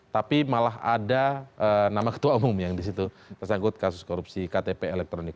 tapi malah ada nama ketua umum yang disitu tersangkut kasus korupsi ktp elektronik